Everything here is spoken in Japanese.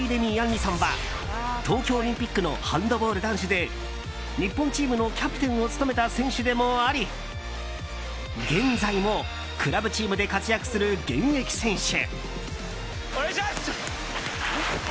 杏利さんは東京オリンピックのハンドボール男子で日本チームのキャプテンを務めた選手でもあり現在もクラブチームで活躍する現役選手。